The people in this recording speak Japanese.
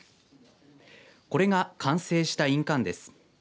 これが、完成した印鑑です。